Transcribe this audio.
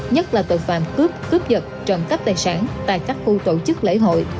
nhất là tội phạm cướp cướp vật trộm cắp tài sản tại các khu tổ chức lễ hội